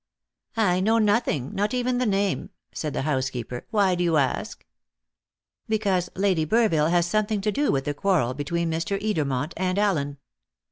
"I know nothing not even the name," said the housekeeper. "Why do you ask?" "Because Lady Burville has something to do with the quarrel between Mr. Edermont and Allen."